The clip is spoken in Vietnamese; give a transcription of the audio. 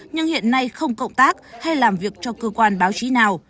nhưng hiện nay không cộng tác hay làm việc cho cơ quan báo chí nào